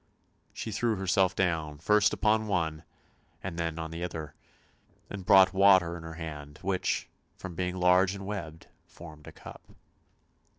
She threw herself down, first upon one, and then on the other; and brought water in her hand, which, from being large and webbed, formed a cup.